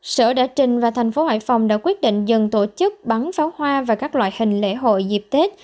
sở đã trình và thành phố hải phòng đã quyết định dừng tổ chức bắn pháo hoa và các loại hình lễ hội dịp tết